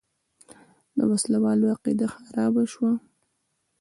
د وسله والو عقیده خرابه شوې وه.